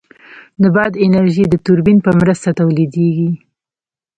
د باد انرژي د توربین په مرسته تولیدېږي.